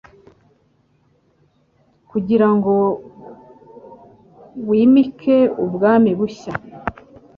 kugira ngo wimike ubwami bushya.